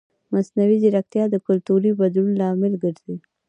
مصنوعي ځیرکتیا د کلتوري بدلون لامل ګرځي.